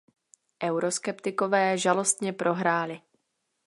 Euroskeptikové žalostně prohráli.